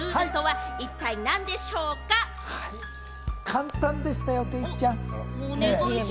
簡単でした、デイちゃん。